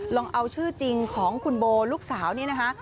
ลองเอาชื่อจริงของคุณโบลูกสาวนี่นะคะ